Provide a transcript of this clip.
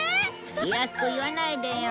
気安く言わないでよ。